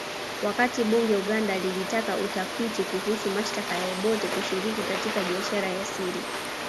Wakati bunge Uganda lilitaka utafiti kuhusu mashtaka ya Obote kushiriki katika biashara ya siri